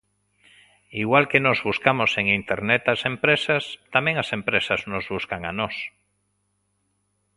Igual que nós buscamos en Internet as empresas, tamén as empresas nos buscan a nós.